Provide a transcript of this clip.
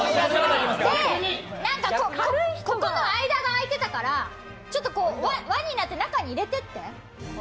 で、ここの間が空いてたから輪になって中に入れてって。